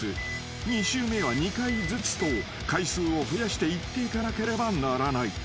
［２周目は２回ずつと回数を増やして言っていかなければならない］